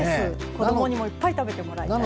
子どもにもいっぱい食べてもらいたい。